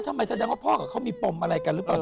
แสดงว่าพ่อกับเขามีปมอะไรกันหรือเปล่า